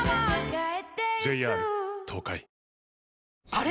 あれ？